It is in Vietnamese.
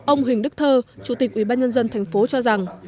ông huỳnh đức thơ chủ tịch ủy ban nhân dân tp cho rằng